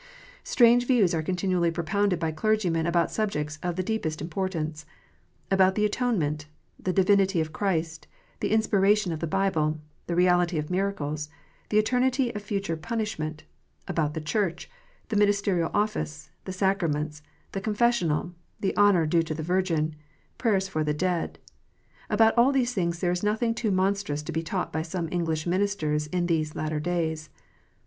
Strange views are continually propounded by clergymen about subjects of the deepest importance. About the atone ment, the divinity of Christ, the inspiration of the Bible, the reality of miracles, the eternity of future punishment, about the Church, the ministerial office, the sacraments, the con fessional, the honour due to the Virgin, prayers for the dead, about all these things there is nothing too monstrous to be taught by some English ministers in these latter days.